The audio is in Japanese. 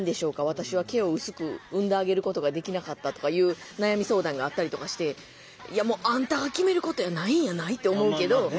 私は毛を薄く産んであげることができなかった」とかいう悩み相談があったりとかして「いやもうあんたが決めることやないんやない？」って思うけど。